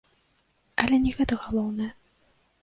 Але не гэта галоўнае.